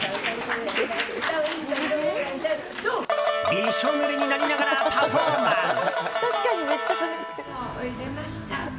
びしょぬれになりながらパフォーマンス！